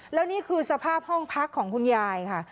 แล้วนี่คือสภาพห้องพักของคุณยายค่ะ